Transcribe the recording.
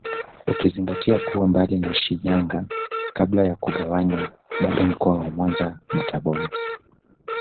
Ukizingatia kuwa mbali na Shinyanga kabla ya kugawanywa bado mkoa wa Mwanza na Tabora